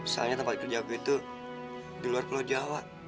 soalnya tempat kerja aku itu di luar pulau jawa